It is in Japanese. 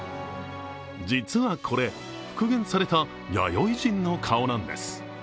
実はこれ、復元された弥生人の顔なんです。